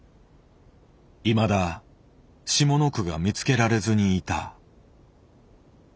いまだ下の句が見つけられずにいた。